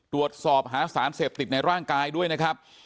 ตรวจสอบหาสารเสพติดในร่างกายด้วยนะครับ